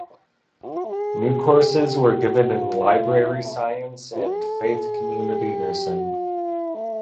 New courses were given in library science and faith community nursing.